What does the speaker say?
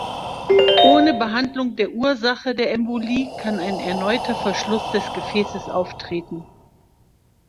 Ohne Behandlung der Ursache der Embolie kann ein erneuter Verschluss des Gefäßes auftreten.